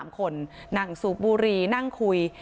๓คนนั่งสูบบุรีนั่งคุย